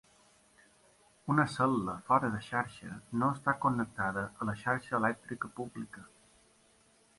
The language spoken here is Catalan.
Una cel·la fora de xarxa no està connectada a la xarxa elèctrica pública.